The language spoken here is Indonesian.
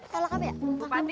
tolak apa ya